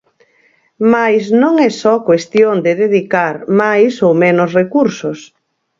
Mais non é só cuestión de dedicar máis ou menos recursos.